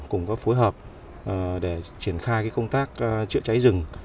cùng có phối hợp để triển khai công tác chữa cháy rừng